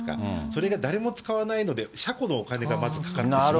それが誰も使わないので、車庫のお金がまずかかってしまって。